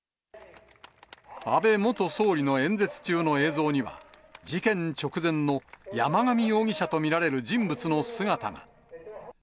安倍元総理の演説中の映像には、事件直前の山上容疑者と見られる人物の姿が。